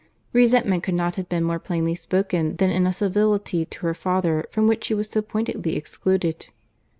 Resentment could not have been more plainly spoken than in a civility to her father, from which she was so pointedly excluded.